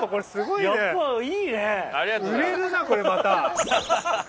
・いいね！